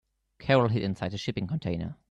Carol hid inside the shipping container.